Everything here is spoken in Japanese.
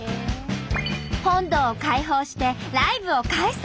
本堂を開放してライブを開催！